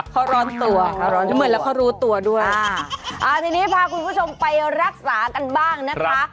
เขาร้อนตัวเขาร้อนเหมือนแล้วเขารู้ตัวด้วยอ่าอ่าทีนี้พาคุณผู้ชมไปรักษากันบ้างนะคะ